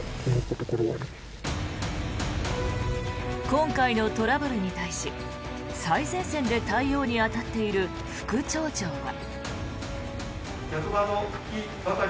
今回のトラブルに対し最前線で対応に当たっている副町長は。